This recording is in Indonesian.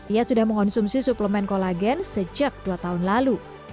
ia sudah mengonsumsi suplemen kolagen sejak dua tahun lalu